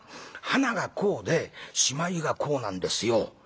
はながこうでしまいがこうなんですよ」。